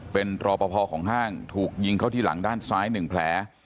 เป็นรอปภของห้างถูกยิงเข้าที่หลังด้านซ้าย๑แผล